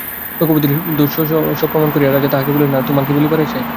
রঘুপতির দোষ সপ্রমাণ করিয়া রাজা তাঁহাকে বলিলেন, তোমার কী বলিবার আছে?